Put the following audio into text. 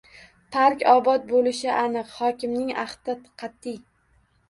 Park obod boʻlishi aniq – hokimning ahdi qatʼiy...